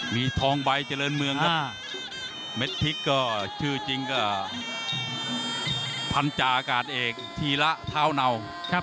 มีทองใบเจริญเมืองครับเม็ดพริกก็ชื่อจริงก็พันธาอากาศเอกธีระเท้าเนา